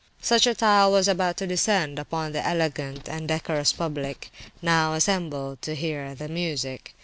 Such a tile was about to descend upon the elegant and decorous public now assembled to hear the music.